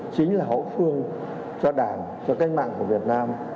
chính là hậu phương cho đảng cho cách mạng của việt nam